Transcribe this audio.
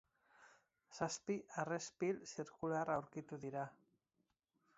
Zazpi harrespil zirkular aurkitu dira.